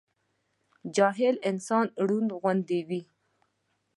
جاهل انسان رونډ غوندي وي